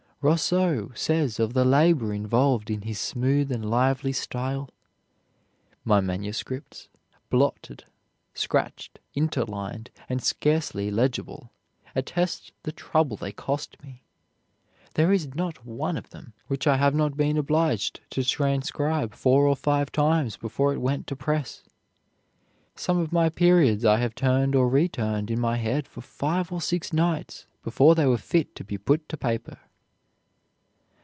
Rousseau says of the labor involved in his smooth and lively style: "My manuscripts, blotted, scratched, interlined, and scarcely legible, attest the trouble they cost me. There is not one of them which I have not been obliged to transcribe four or five times before it went to press. ... Some of my periods I have turned or returned in my head for five or six nights before they were fit to be put to paper."